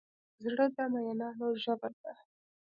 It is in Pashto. زړه د مینانو ژبه ده.